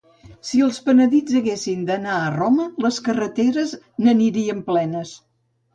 Si els penedits haguessin d'anar a Roma, les carreteres n'anirien plenes.